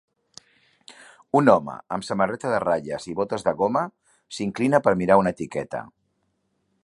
Un home amb samarreta de ratlles i botes de goma s'inclina per mirar una etiqueta.